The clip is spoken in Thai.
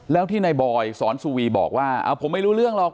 แล้วที่นายบอยสอนสุวีบอกว่าผมไม่รู้เรื่องหรอก